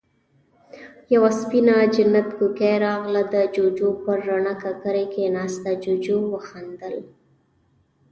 يوه سپينه جنت کوکۍ راغله، د جُوجُو پر رڼه ککری کېناسته، جُوجُو وخندل: